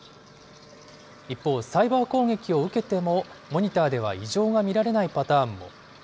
一方、サイバー攻撃を受けても、モニターでは異常が見られないパターンも。